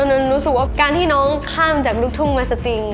หนูรู้สึกว่าการที่น้องข้ามจากลูกทุ่งมาสติง